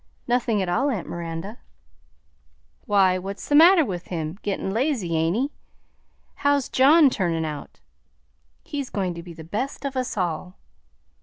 "Nothing at all, aunt Miranda." "Why, what's the matter with him? Gittin' lazy, ain't he? How 's John turnin' out?" "He's going to be the best of us all."